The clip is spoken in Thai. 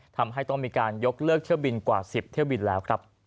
ทำให้ต้องมีการยกเลิกเที่ยวบินกว่า๑๐เที่ยวบินแล้วครับ